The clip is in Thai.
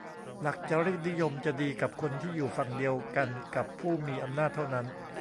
หลักจารีตนิยมจะดีกับคนที่อยู่ฝั่งเดียวกันกับผู้มีอำนาจเท่านั้น